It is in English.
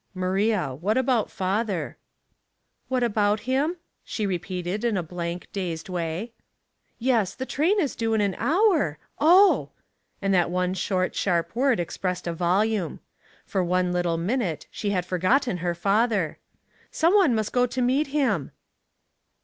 " Maria, what about father ?"" What about him ?" she repeated, in a blank, dazed way. '' Yes, the train is due in an hour. Oh !" and that one short, sharp word expressed a volume. For one little minute she had for gotten her father. *' Some one must go to meet him."